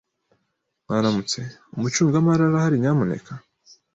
Mwaramutse, umucungamari arahari, nyamuneka?